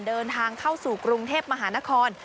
เดินทางเข้าสู่กรุงเทพมหานคร